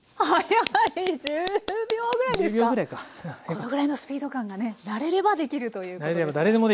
このぐらいのスピード感がね慣れればできるということですね。